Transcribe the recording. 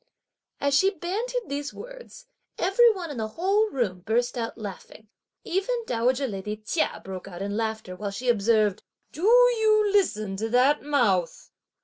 As she bandied these words, every one in the whole room burst out laughing, and even dowager lady Chia broke out in laughter while she observed: "Do you listen to that mouth?